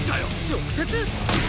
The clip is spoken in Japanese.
直接！？